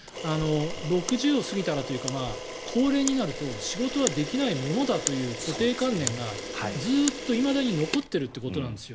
６０を過ぎたらというか高齢になると仕事はできないものだという固定観念がずっといまだに残ってるということなんです。